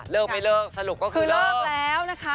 เลิกไม่เลิกสรุปก็คือเลิกคือเลิกแล้วนะคะ